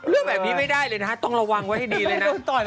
เรื่องแบบนี้ไม่ได้เลยนะฮะต้องระวังไว้ให้ดีเลยนะ